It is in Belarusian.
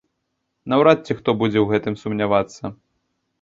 Наўрад ці хто будзе ў гэтым сумнявацца.